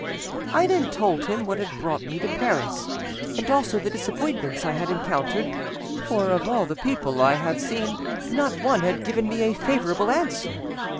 I then told him what had brought me to Paris, and also the disappointments I had encountered, for of all the people I had seen not one had given me a favourable answer.